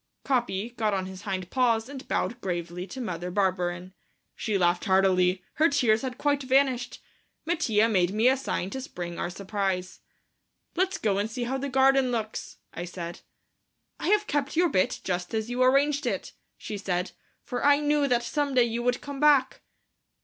Capi got on his hind paws and bowed gravely to Mother Barberin. She laughed heartily. Her tears had quite vanished. Mattia made me a sign to spring our surprise. "Let's go and see how the garden looks," I said. "I have kept your bit just as you arranged it," she said, "for I knew that some day you would come back."